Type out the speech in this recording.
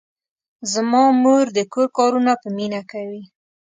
زما مور د کور کارونه په مینه کوي.